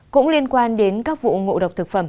cũng liên quan đến các vụ ngộ độc